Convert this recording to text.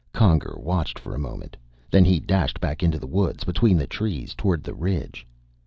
Conger watched for a moment. Then he dashed back into the woods, between the trees, toward the ridge.